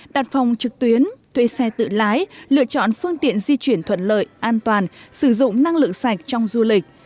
đặt phòng trực tuyến thuê xe tự lái lựa chọn phương tiện di chuyển thuận lợi an toàn sử dụng năng lượng sạch trong du lịch